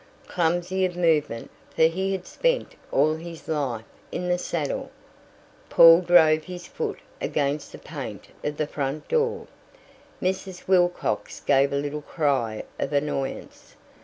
Clumsy of movement for he had spent all his life in the saddle Paul drove his foot against the paint of the front door. Mrs. Wilcox gave a little cry of annoyance.